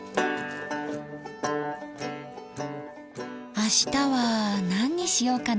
明日は何にしようかな？